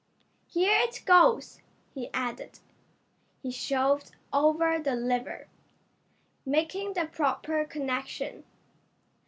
"Here it goes!" he added. He shoved over the lever, making the proper connection.